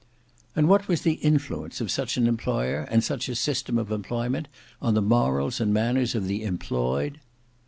And what was the influence of such an employer and such a system of employment on the morals and manners of the employed?